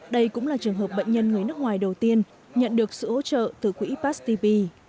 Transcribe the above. đây cũng là trường hợp bệnh nhân người nước ngoài đầu tiên nhận được sự hỗ trợ từ quỹ past tp